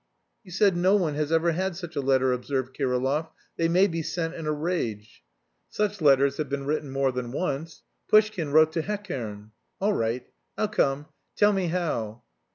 "You said no one has ever had such a letter," observed Kirillov, "they may be sent in a rage. Such letters have been written more than once. Pushkin wrote to Hekern. All right, I'll come. Tell me how."